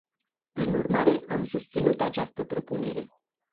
Prin urmare, am susținut această propunere.